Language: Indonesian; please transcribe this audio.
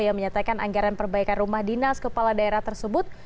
yang menyatakan anggaran perbaikan rumah dinas kepala daerah tersebut